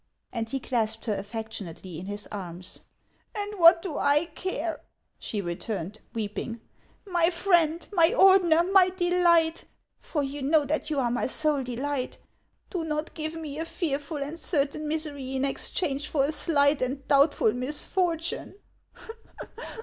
And he clasped her affectionately in his arms. " And what do I care ?" she returned, weeping. " My friend, my Ordeuer, my delight, — for you know that you are my sole delight, — do not give me a fearful and cer tain misery in exchange for a slight and doubtful mis fortune.